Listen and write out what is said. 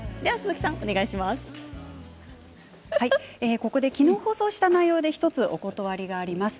ここで昨日放送した内容で１つ、お断りがあります。